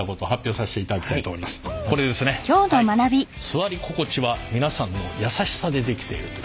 座り心地は皆さんのやさしさで出来ている！